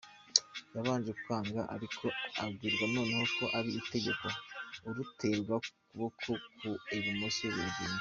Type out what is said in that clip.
Yabanje kwanga ariko abwirwa noneho ko ari itegeko, aruterwa ku kuboko ku ibumoso, baragenda.